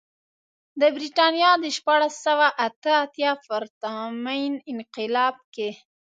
د برېټانیا د شپاړس سوه اته اتیا پرتمین انقلاب کې.